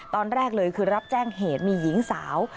ตอนแรกเลยคือรับแจ้งเหตุมีหญิงสาว